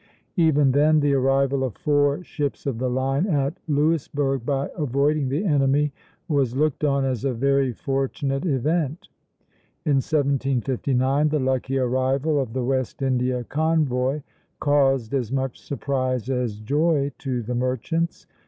Even then, the arrival of four ships of the line at Louisburg, by avoiding the enemy, was looked on as a very fortunate event.... In 1759 the lucky arrival of the West India convoy caused as much surprise as joy to the merchants.